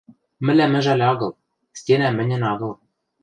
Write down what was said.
— Мӹлӓм ӹжӓл агыл, стенӓ мӹньӹн агыл.